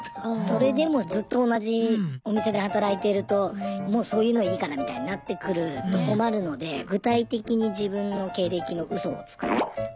それでもずっと同じお店で働いてるともうそういうのいいからみたいになってくると困るので具体的に自分の経歴のウソを作ってました。